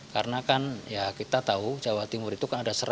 karena kan ya kita tahu jawa timur itu kan ada satu ratus dua puluh rupiah